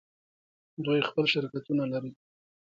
دوی خپل شرکتونه لري.